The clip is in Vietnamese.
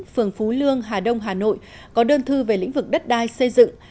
phường phú lương hà đông hà nội có đơn thư về lĩnh vực đất đai xây dựng